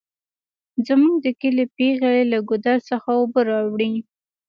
زمونږ د کلي پیغلې له ګودر څخه اوبه راوړي